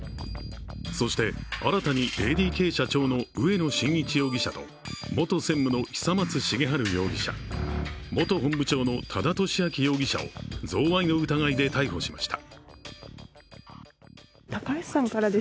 そして、新たにＡＤＫ社長の植野伸一容疑者と元専務の久松茂治容疑者、元本部長の多田俊明容疑者を贈賄の疑いで逮捕しました。